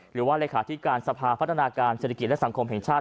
หรือว่าเลขาธิการสภาพัฒนาการเศรษฐกิจและสังคมแห่งชาติ